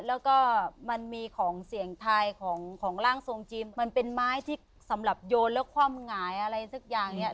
แล้วก็มันมีของเสียงทายของของร่างทรงจีนมันเป็นไม้ที่สำหรับโยนแล้วคว่ำหงายอะไรสักอย่างเนี่ย